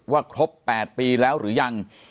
ครบ๘ปีแล้วหรือยัง